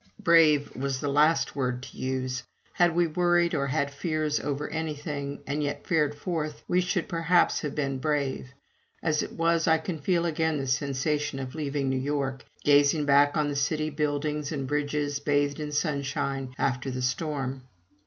Brave was the last word to use. Had we worried or had fears over anything, and yet fared forth, we should perhaps have been brave. As it was, I can feel again the sensation of leaving New York, gazing back on the city buildings and bridges bathed in sunshine after the storm.